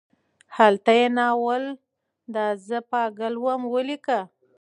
هلته یې ناول دا زه پاګل وم ولیکه.